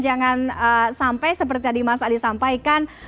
jangan sampai seperti tadi mas adi sampaikan